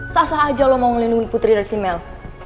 sah sah aja lo mau ngelindungi putri dari si mel